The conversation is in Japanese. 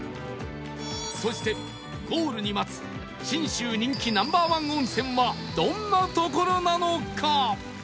そしてゴールに待つ信州人気 Ｎｏ．１ 温泉はどんな所なのか？